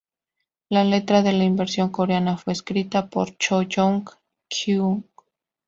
La letra de la versión coreana fue escrita por Cho Yoon Kyung.